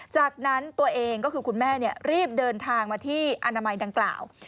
จากนั้นตัวเองก็คือคุณแม่รีบเดินทางมาที่อนามัยดังกล่าว